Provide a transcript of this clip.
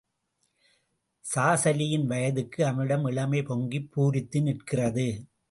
காசாலியின் வயதுக்கு அவனிடம் இளமை பொங்கிப் பூரித்து நிற்கிறது.